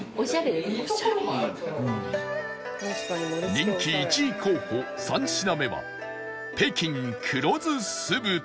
人気１位候補３品目は北京黒酢酢豚